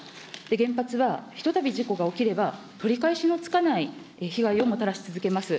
原発は、ひとたび事故が起きれば、取り返しのつかない被害をもたらし続けます。